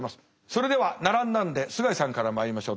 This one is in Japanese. それでは並んだんで須貝さんからまいりましょう。